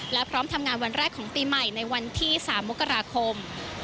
และพร้อมทำงานวันแรกของปีใหม่ในวันที่๓มกราคม